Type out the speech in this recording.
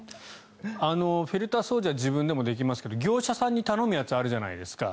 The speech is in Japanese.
フィルター掃除は自分でもできますが業者さんに頼むやつあるじゃないですか。